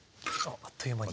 あっという間に。